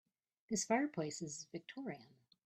This fireplace is victorian.